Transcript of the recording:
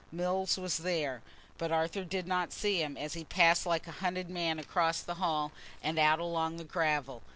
Mills was still there, but Arthur did not see him, as he passed like a hunted man across the hall and out along the gravel.